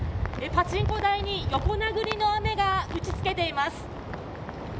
パチンコ台に横殴りの雨が打ち付けています。